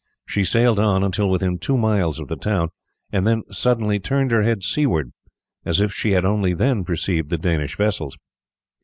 She sailed on until within two miles of the town, and then suddenly turned her head seaward, as if she had only then perceived the Danish vessels.